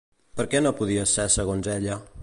Per què no podia ser segons ella?